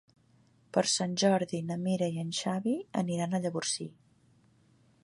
Per Sant Jordi na Mira i en Xavi aniran a Llavorsí.